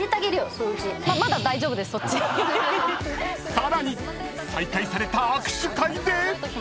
［さらに再開された握手会で］